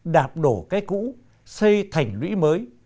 đạp đổ cây cũ xây thành lũy mới